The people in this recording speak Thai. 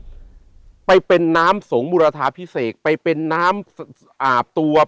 สการะเสร็จแล้วทำทฤทธีอัลเชินน้ำจากสระมระจริณนี้